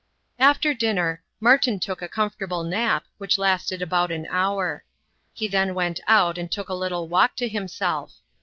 After dinner, Martin took a comfortable nap, which lasted about an hour. He then went out and took a little walk to himself.